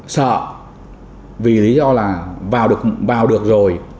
sợ vì lý do là vào được rồi